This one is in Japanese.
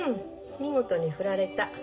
見事に振られた。